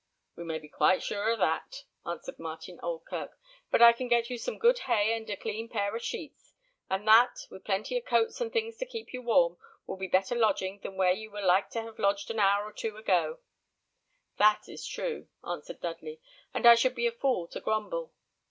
"We may be quite sure of that," answered Martin Oldkirk; "but I can get you some good hay and a clean pair of sheets, and that, with plenty of coats and things to keep you warm, will be better lodging than where you were like to have lodged an hour or two ago." "That is true," answered Dudley; "and I should be a fool to grumble.